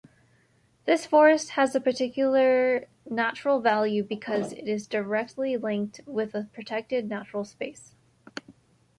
This forest has a particular natural value because it is directly linked with a protected natural space.